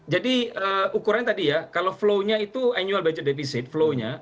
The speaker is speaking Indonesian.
jadi ukurannya tadi ya kalau flow nya itu annual budget deficit flow nya